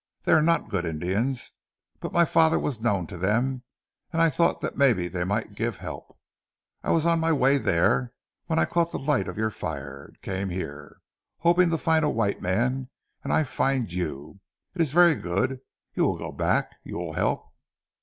They are not good Indians, but my father was known to them and I thought that maybe they might give help. I was on my way there, when I caught the light of your fire, and came here, hoping to find a white man, and I find you. It is very good. You will go back? You will help?"